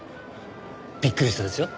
びっくりしたでしょ？